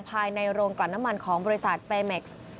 ภายในโรงกลั่นน้ำมันของบริษัทเปเม็กซ์